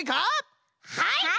はい！